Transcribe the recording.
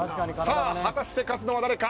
果たして、勝つのは誰か。